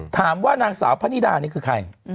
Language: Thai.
ถามว่านางสาวพะนิดานี่คือใคร